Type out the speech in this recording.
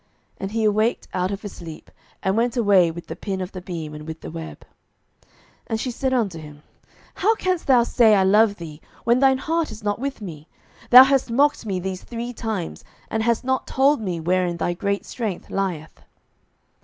And he awaked out of his sleep, and went away with the pin of the beam, and with the web. 07:016:015 And she said unto him, How canst thou say, I love thee, when thine heart is not with me? thou hast mocked me these three times, and hast not told me wherein thy great strength lieth.